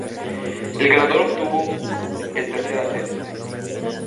El ganador obtuvo el tercer ascenso.